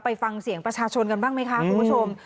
ฟังเสียงประชาชนกันบ้างไหมคะคุณผู้ชม